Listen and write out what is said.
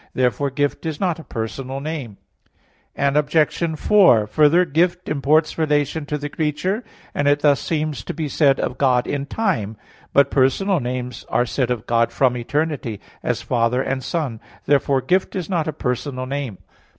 Therefore "Gift" is not a personal name. Obj. 4: Further, "Gift" imports relation to the creature, and it thus seems to be said of God in time. But personal names are said of God from eternity; as "Father," and "Son." Therefore "Gift" is not a personal name.